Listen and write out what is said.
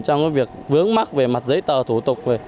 trong việc vướng mắc về mặt giấy tờ thủ tục